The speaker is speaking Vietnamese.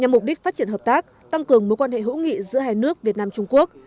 nhằm mục đích phát triển hợp tác tăng cường mối quan hệ hữu nghị giữa hai nước việt nam trung quốc